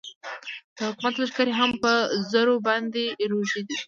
د حکومت لښکرې هم په زرو باندې روږدې دي.